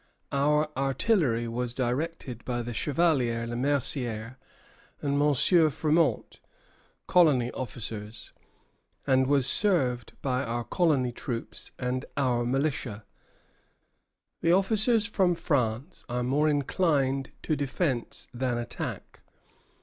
Our artillery was directed by the Chevalier Le Mercier and M. Frémont [colony officers], and was served by our colony troops and our militia. The officers from France are more inclined to defence than attack.